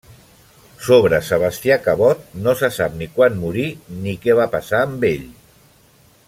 Sobre Sebastià Cabot no se sap ni quan morí ni què va passar amb ell.